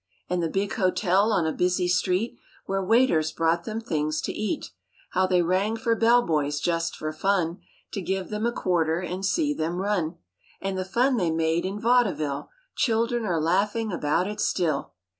And the big hotel on a busy street Where waiters brought them things to eat. How they rang for bell boys, just for fun, To give them a quarter and see them run; And the fun they made in vaudeville; Children are laughing about it still.